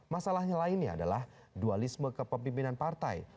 masalahnya lainnya adalah dualisme kepemimpinan partai